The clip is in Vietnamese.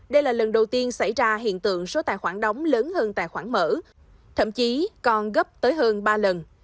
đây là lần đầu tiên xảy ra hiện tượng số tài khoản đóng lớn hơn tài khoản mở thậm chí còn gấp tới hơn ba lần